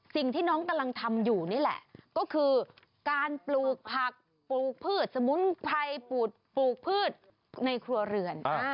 สิ่งที่น้องกำลังทำอยู่นี่แหละก็คือการปลูกผักปลูกพืชสมุนไพรปลูกพืชในครัวเรือน